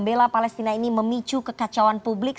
bela palestina ini memicu kekacauan publik